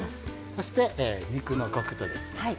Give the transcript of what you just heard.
そして肉のコクとですね